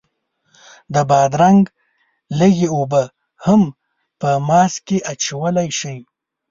د بادرنګ لږې اوبه هم په ماسک کې اچولی شئ.